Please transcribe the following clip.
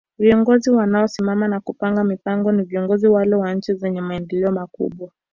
Viongozi wanao simama na kupanga mipango ni viongozi wale wa nchi zenye maendeleo makubwa